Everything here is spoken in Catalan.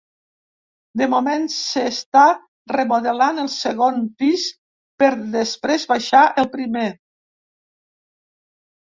De moment s’està remodelant el segon pis per després baixar al primer.